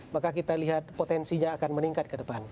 maka kita lihat potensinya akan meningkat ke depan